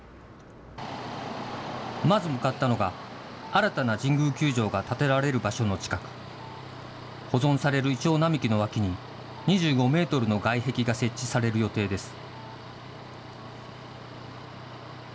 まず向かったのが、新たな神宮球場が建てられる場所の近く、保存されるいちょう並木の脇に、２５メートルの外壁が設置される予定です。